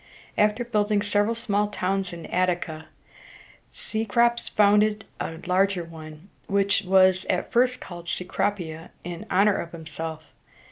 After building several small towns in At´ti ca, Cecrops founded a larger one, which was at first called Ce cro´pi a in honor of himself.